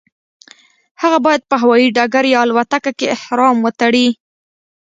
هغه باید په هوایي ډګر یا الوتکه کې احرام وتړي.